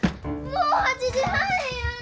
もう８時半や！